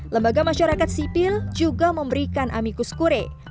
lembaga masyarakat sipil juga memberikan amikus kure